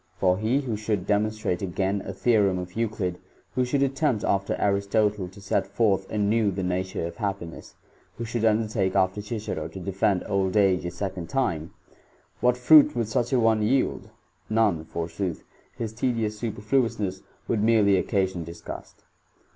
For he who should demon strate. again a theorem of Euclid, who should *ftttfilnpt after Aristotle to set forth anew the na ture of happiness, who should undertake after Cicero to defend old age a second time — what fruit would such a one yield ? None, forsooth ; his tedious superfluousness would merely occa sion disgust.